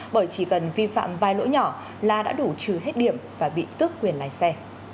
bởi chỉ cần vi phạm vài lỗi nhỏ là đã đủ trừ hết điểm và bị tước quyền lái xe